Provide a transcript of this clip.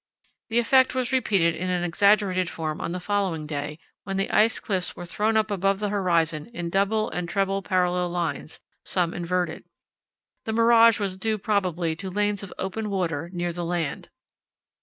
The effect was repeated in an exaggerated form on the following day, when the ice cliffs were thrown up above the horizon in double and treble parallel lines, some inverted. The mirage was due probably to lanes of open water near the land.